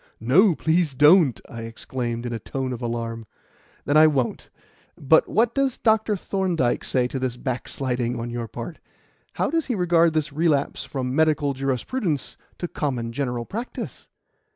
"No, please don't!" I exclaimed in a tone of alarm. "Then I won't. But what does Dr. Thorndyke say to this backsliding on your part? How does he regard this relapse from medical jurisprudence to common general practice?"